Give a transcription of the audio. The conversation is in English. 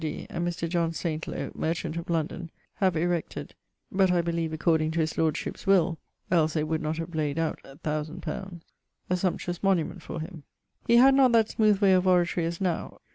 D. and Mr. John Saintlowe, merchant of London, have erected (but I beleeve according to his lordship's will, els they would not have layed out 1000 li.) a sumptuose monument for him. He had not that smooth way of oratory as now.